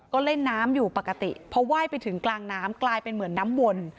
ก็เล่นน้ำอยู่ปกติเพราะว่ายไปถึงกลางน้ำกลายเป็นเหมือนน้ำวน